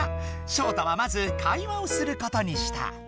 ショウタはまず会話をすることにした。